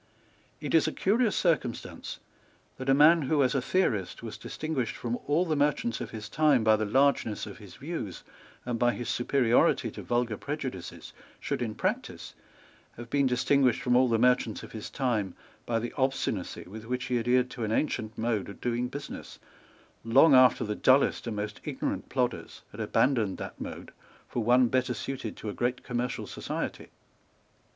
It is a curious circumstance that a man who, as a theorist, was distinguished from all the merchants of his time by the largeness of his views and by his superiority to vulgar prejudices, should, in practice, have been distinguished from all the merchants of his time by the obstinacy with which he adhered to an ancient mode of doing business, long after the dullest and most ignorant plodders had abandoned that mode for one better suited to a great commercial society.